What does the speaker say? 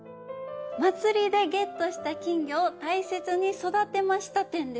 「祭りでゲットした金魚を大切に育てました展」です。